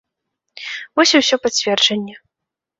Вось і ўсё пацверджанне.